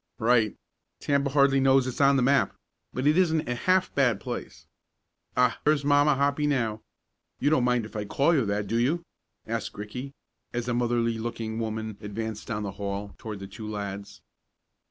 "Right. Tampa hardly knows it's on the map, but it isn't a half bad place. Ah, here's Mamma Hoppy now. You don't mind if I call you that; do you?" asked Ricky, as a motherly looking woman advanced down the hall toward the two lads.